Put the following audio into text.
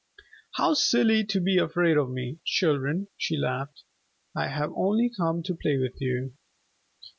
"How silly to be afraid of me, children," she laughed. "I have only come to play with you."